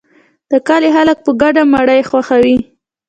د کلي خلک په ګډه مړی ښخوي.